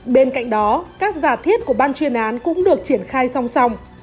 bên cạnh đó các giả thiết của ban chuyên án cũng được triển khai song song